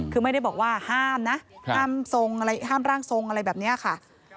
คือไม่ได้บอกว่าห้ามนะห้ามทรงอะไรห้ามร่างทรงอะไรแบบนี้ค่ะ